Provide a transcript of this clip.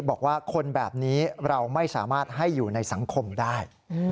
บอกว่าคนแบบนี้เราไม่สามารถให้อยู่ในสังคมได้